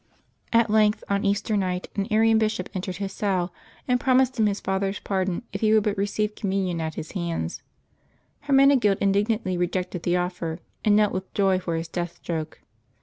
At length, on Easter 146 LIVES OF THE SAINTS [April 14 night, an Arian bishop entered his cell, and promised him his father's pardon if he would but receive Communion at his hands. Hermenegild indignantly rejected the offer, and knelt with joy for his death stroke.